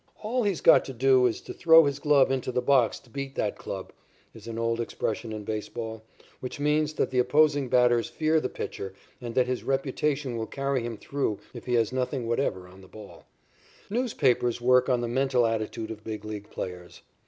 "All he's got to do is to throw his glove into the box to beat that club," is an old expression in baseball, which means that the opposing batters fear the pitcher and that his reputation will carry him through if he has nothing whatever on the ball. Newspapers work on the mental attitude of Big League players.